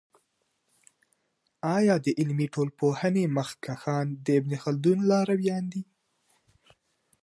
آیا د علمي ټولپوهني مخکښان د ابن خلدون لارویان دی؟